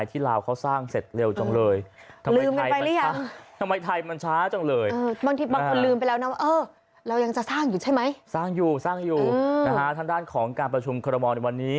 ทางด้านของการประชุมคอรมอลในวันนี้